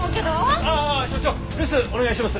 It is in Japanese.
ああ所長留守お願いします。